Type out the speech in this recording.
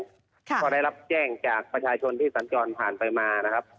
ก็ได้รับแจ้งจากประชาชนที่สัญจรผ่านไปมานะครับ